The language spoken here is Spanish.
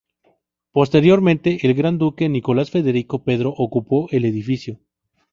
Posteriormente el Gran Duque Nicolás Federico Pedro ocupó el edificio.